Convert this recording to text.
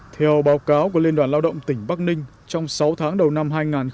theo báo cáo của liên đoàn lao động tỉnh bắc ninh trong sáu tháng đầu năm hai nghìn hai mươi